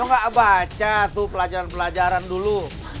lu nggak baca tuh pelajaran pelajaran dulu